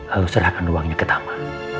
lalu serahkan uangnya ke taman